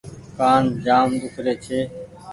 ڪآن جآم ۮوکري ڇي ۔